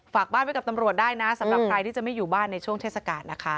ฝากบ้านไว้กับตำรวจได้นะสำหรับใครที่จะไม่อยู่บ้านในช่วงเทศกาลนะคะ